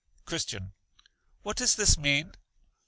Christian. What does this mean?